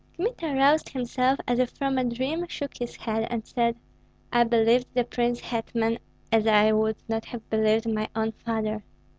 Kmita roused himself as if from a dream, shook his head, and said, "I believed the prince hetman as I would not have believed my own father.